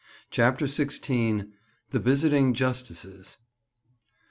CHAPTER XVI. THE VISITING JUSTICES.